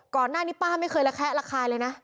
ก่อนหน้านี้ป้าไม่เคยระแคละคายเลยนะ